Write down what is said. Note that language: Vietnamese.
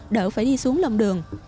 đỡ phải đi xuống lòng đường